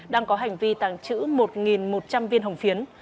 đang có hành vi tàng trữ một một trăm linh viên hồng phiến